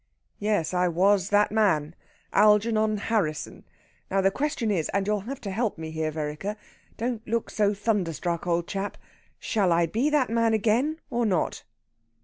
"Yes, I was that man Algernon Harrisson. Now, the question is and you'll have to help me here, Vereker. Don't look so thunderstruck, old chap Shall I be that man again or not?"